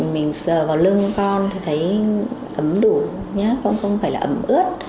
mình sờ vào lưng con thì thấy ấm đủ không phải là ấm ướt